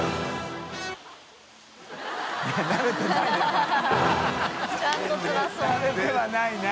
慣れてはないね。